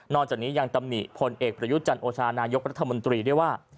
จากนี้ยังตำหนิพลเอกประยุทธ์จันโอชานายกรัฐมนตรีด้วยว่า